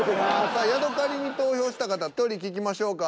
さあヤドカリに投票した方１人聞きましょうか。